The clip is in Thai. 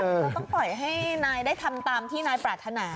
ก็ต้องปล่อยให้นายได้ทำตามที่นายปรารถนา